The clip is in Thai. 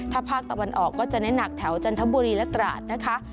ถ้าภาคตะวันออกก็จะเน้นหนักแถวจันทบุรีและตราดนะคะ